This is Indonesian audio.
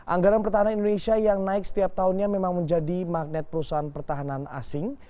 anggaran pertahanan indonesia yang naik setiap tahunnya memang menjadi magnet perusahaan pertahanan asing